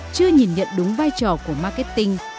chưa nhìn nhận đúng vai trò của marketing